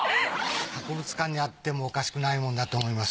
博物館にあってもおかしくないものだと思います。